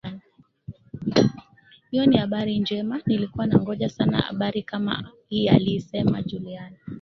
Hiyo ni habari njemanilikuwa nangoja sana habari kama hiialisema Juliana